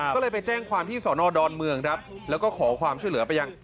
ก็เลยไปแจ้งความที่สอนอดอนเมืองครับแล้วก็ขอความช่วยเหลือไปยัง